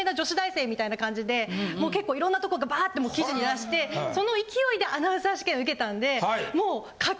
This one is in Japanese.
みたいな感じでもう結構いろんな所でバァってもう記事に出してその勢いでアナウンサー試験受けたんでもう。